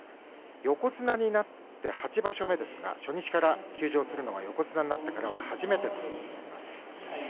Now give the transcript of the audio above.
横綱になって８場所目ですが初日から休場するのは横綱になってからは初めてとなります。